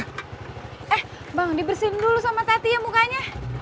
eh bang dibersihin dulu sama tatia mukanya